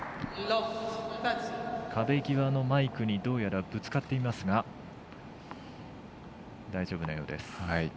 壁際のマイクにどうやらぶつかっていますが大丈夫なようです。